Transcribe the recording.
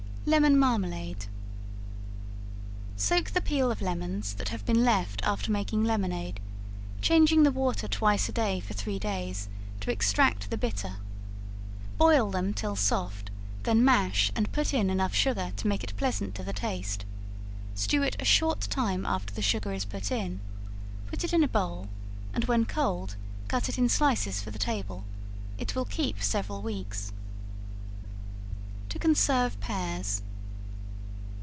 Lemon Marmalade. Soak the peel of lemons that have been left after making lemonade, changing the water twice a day for three days, to extract the bitter, boil them till soft, then mash and put in enough sugar to make it pleasant to the taste; stew it a short time after the sugar is put in; put it in a bowl, and when cold, cut it in slices for the table; it will keep several weeks. To Conserve Pears.